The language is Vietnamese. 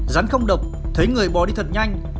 rắn không độc thấy người bỏ đi thật nhanh